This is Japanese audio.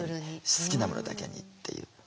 好きなものだけにっていう。